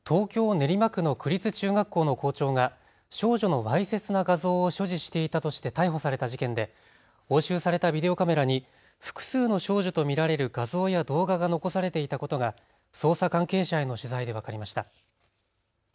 練馬区の区立中学校の校長が少女のわいせつな画像を所持していたとして逮捕された事件で押収されたビデオカメラに複数の少女と見られる画像や動画が残されていたことが捜査関係者への取材で分かりました。